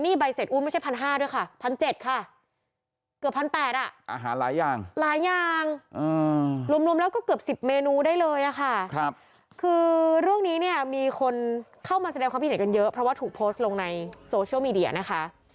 นี่ใบเสร็จอุ้นไม่ใช่๑๕๐๐ด้วยค่ะ